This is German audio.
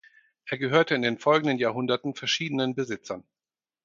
Er gehörte in den folgenden Jahrhunderten verschiedenen Besitzern.